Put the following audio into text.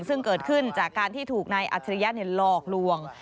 ซึ่งเกิดขึ้นจากการที่ถูกนายอัจฉริยะหลอกลวง